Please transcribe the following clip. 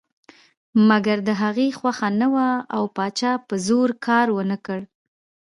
مګر د هغې خوښه نه وه او پاچا په زور کار ونه کړ.